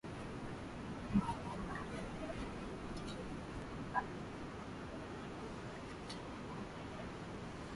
Mkwawa ili awe na uthibitisho amekufa kweli NaneZawadi ya rupia elfu tano iligawiwa